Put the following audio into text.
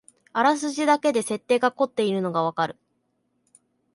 あらすじだけで設定がこってるのがわかる